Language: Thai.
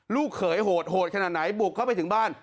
ลูกเขยโหดโหดขนาดไหนบุกเข้าไปถึงบ้าน